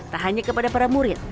tak hanya kepada para murid